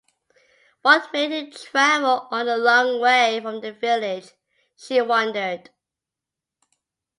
"What made him travel all the long way from the village?" she wondered.